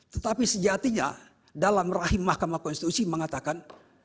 tetapi sejatinya dalam rahim mahkamah konstitusi mengatakan